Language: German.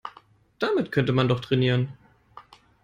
Damit könnte man doch trainieren.